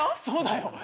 そうだよ。